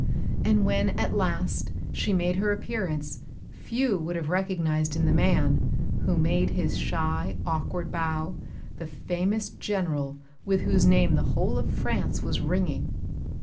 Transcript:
And when at last she made her appearance, few would have recognised in the man, who made his shy, awkward bow, the famous General with whose name the whole of France was ringing.